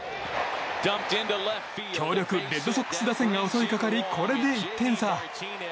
強力レッドソックス打線が襲いかかり、これで１点差。